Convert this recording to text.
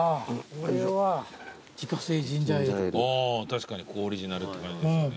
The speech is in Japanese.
確かにここオリジナルって感じですね。